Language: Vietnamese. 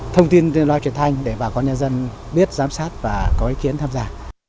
thông tin tuyên loa truyền thanh để bà con nhân dân biết giám sát và có ý kiến tham gia